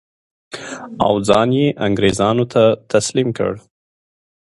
او ځان یې انګرېزانو ته تسلیم کړ.